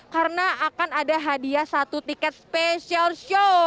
karena akan ada hadiah satu tiket spesial show